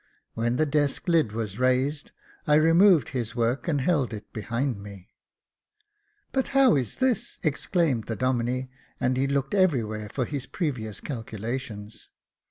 When the desk lid was raised, I removed his work and held it behind me. " But how is this ?" exclaimed the Domine, and he looked everywhere for his previous calculations.